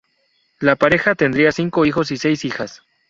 La pareja tendría cinco hijos y seis hijas.